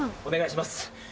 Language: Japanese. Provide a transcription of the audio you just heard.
お願いします